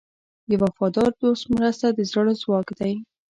د وفادار دوست مرسته د زړه ځواک دی.